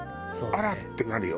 あら？ってなるの？